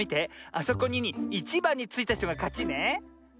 あそこにいちばんについたひとがかちね。